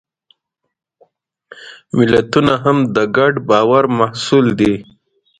ملتونه هم د ګډ باور محصول دي.